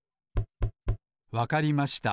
わかりました。